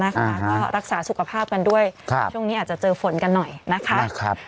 อ่าฮะรักษาสุขภาพกันด้วยครับช่วงนี้อาจจะเจอฝนกันหน่อยนะคะนะครับ